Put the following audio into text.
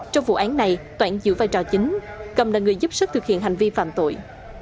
trong vụ án này toãn giữ vai trò chính cầm là người giúp sức thực hiện hành vi phạm tội